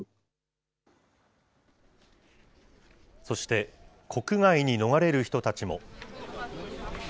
そして、国外に逃れる人たちも。